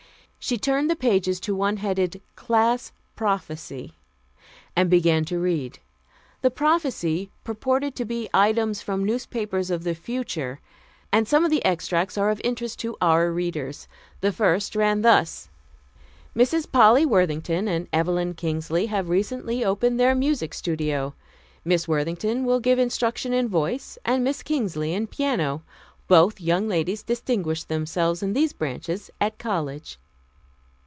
She turned the pages to one headed CLASS PROPHECY and began to read. The "prophecy" purported to be items from newspapers of the future, and some of the extracts are of interest to our readers. The first ran thus: "Misses Polly Worthington and Evelyn Kingsley have recently opened their Music Studio. Miss Worthington will give instruction in voice and Miss Kingsley in piano. Both young ladies distinguished themselves in these branches at college."